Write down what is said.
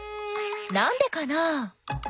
なんでかな？